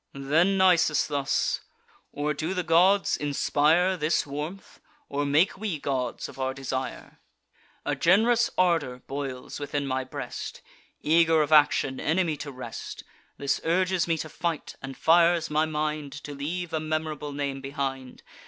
Then Nisus thus: "Or do the gods inspire This warmth, or make we gods of our desire? A gen'rous ardour boils within my breast, Eager of action, enemy to rest: This urges me to fight, and fires my mind To leave a memorable name behind.